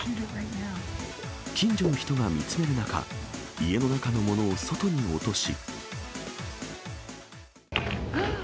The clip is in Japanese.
近所の人が見つめる中、家の中のものを外に落とし。